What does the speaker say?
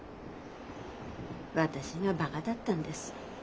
私がばかだったんです。